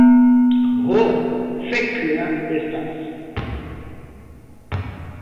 Ho, fek' ja estas